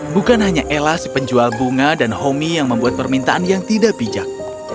bukan hanya ella si penjual bunga dan homi yang membuat permintaan yang tidak bijak